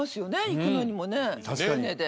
行くのにもね船で。